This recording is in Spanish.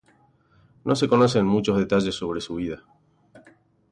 No se conocen muchos detalles sobre su vida.